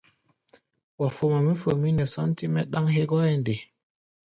Wa foma mɛ́ fomí nɛ sɔ́ntí-mɛ́ ɗáŋ hégɔ́ʼɛ nde?